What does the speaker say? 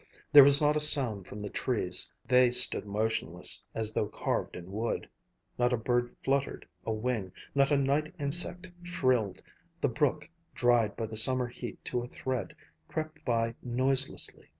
There was not a sound from the trees. They stood motionless, as though carved in wood; not a bird fluttered a wing; not a night insect shrilled; the brook, dried by the summer heat to a thread, crept by noiselessly.